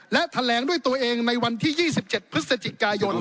และแถลงด้วยตัวเองในวันที่๒๗พฤศจิกายน